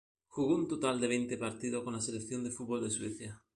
Jugó un total de veinte partidos con la selección de fútbol de Suecia.